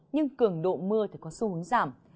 nhưng cường độ mưa có xu hướng giảm